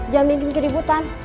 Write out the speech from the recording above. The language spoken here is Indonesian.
jangan bikin keributan